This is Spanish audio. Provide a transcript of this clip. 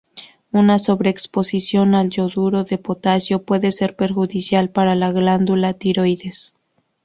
Una sobreexposición al yoduro de potasio puede ser perjudicial para la glándula tiroides.